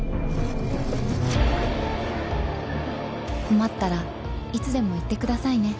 「困ったらいつでも言ってくださいね。